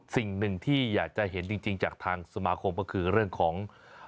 สิ่งหนึ่งที่อยากจะเห็นจริงจากทางสมาคมก็คือเรื่องของ